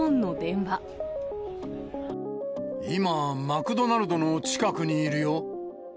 今、マクドナルドの近くにいるよ。